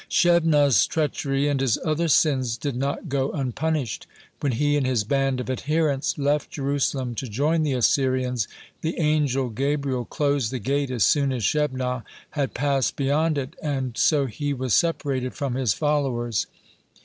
Shebnah's treachery and his other sins did not go unpunished. When he and his band of adherents left Jerusalem to join the Assyrians, the angel Gabriel closed the gate as soon as Shebnah had passed beyond it, and so he was separated from his followers.